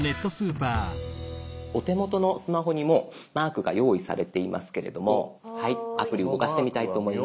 お手元のスマホにもうマークが用意されていますけれどもアプリ動かしてみたいと思います。